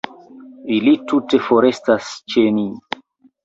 Ili tute forestas ĉe ni.